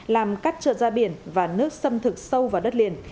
làm cắt trượt ra biển và nước xâm thực sâu vào đất liền